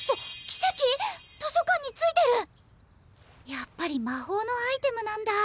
やっぱりまほうのアイテムなんだ！